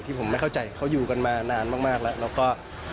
ผมไม่เข้าใจเขาอยู่กันมานานมากแล้วแล้วก็